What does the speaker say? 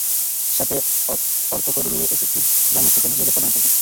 সাথে অর্থকড়ি নিয়ে এসেছি যা মুক্তিপণ হিসাবে প্রদান করব।